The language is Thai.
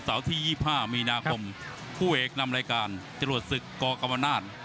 ฟ้ามีตาอีกคน